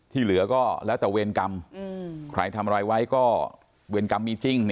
เหลือก็แล้วแต่เวรกรรมใครทำอะไรไว้ก็เวรกรรมมีจริง